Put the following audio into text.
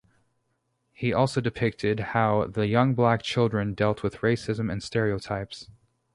He also depicted how the young black children dealt with racism and stereotypes.